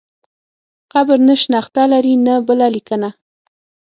قبر نه شنخته لري نه بله لیکنه.